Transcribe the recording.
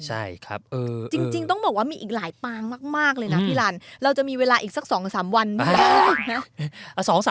ใช่ครับจริงต้องบอกว่ามีอีกหลายปางมากเลยนะพี่ลันเราจะมีเวลาอีกสัก๒๓วันบ้าง